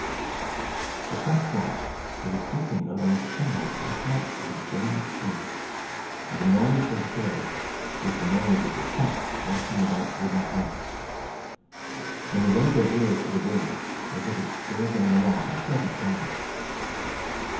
The fact was, they were creeping along a channel in the heart of a giant tree; and the noise they heard was the noise of the sap rushing along in its wooden pipes. When they laid their ears to the wall, they heard it gurgling along with a pleasant noise.